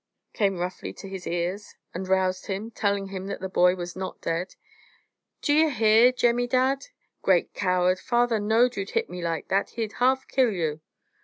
came roughly to his ears, and roused him, telling him that the boy was not dead. "D'yer hear, Jemmy Dadd? Great coward! Father know'd you'd hit me like that, he'd half kill you."